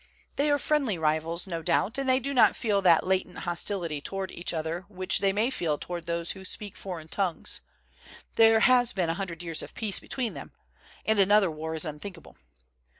They are friendly rivals, no doubt, and they do not feel that latent hostility toward each other which they may feel toward those who speak foreign tongues; there has been a hundred years of peace between them; and an other war is unthinkable.